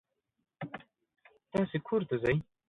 تاسې کور ته ځئ.